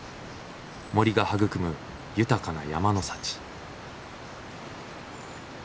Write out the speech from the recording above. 森が育む豊かな山の幸。